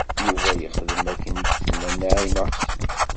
Yuba yexdem akken i d-tenna Naɛima u Ḥsen